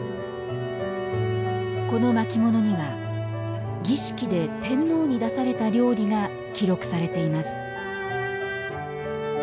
この巻物には儀式で天皇に出された料理が記録されています